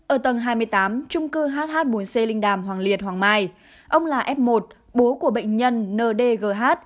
ở tầng hai mươi tám trung cư hh bốn c linh đàm hoàng liệt hoàng mai ông là f một bố của bệnh nhân ndgh